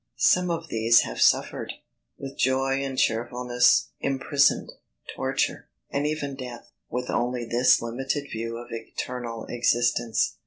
Some of these have suffered, with joy and cheerfulness, imprisonment, torture, and even death, with only this limited view of eternal existence.